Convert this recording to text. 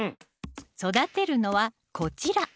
育てるのはこちら。